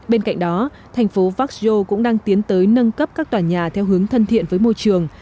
bên cạnh đó thành phố vác châu cũng đang tiến tới nâng cấp các tòa nhà theo hướng thân thiện với môi trường